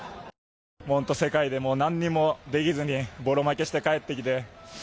本当に世界で何もできずにぼろ負けして帰ってきて。